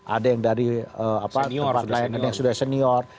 ada yang dari tempat layanan yang sudah senior